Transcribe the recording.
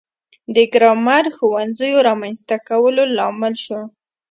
د ګرامر ښوونځیو رامنځته کولو لامل شو.